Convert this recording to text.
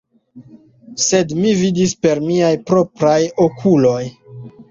Sed mi vidis per miaj propraj okuloj!